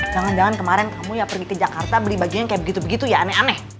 jangan jangan kemarin kamu ya pergi ke jakarta beli bajunya yang kayak begitu begitu ya aneh aneh